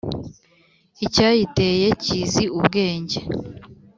Icyayiteye cyizi ubwenge